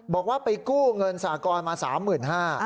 บอกว่าไปกู้เงินสากรมา๓๕๐๐บาท